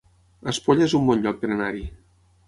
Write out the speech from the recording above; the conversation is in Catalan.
Espolla es un bon lloc per anar-hi